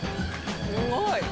すごい。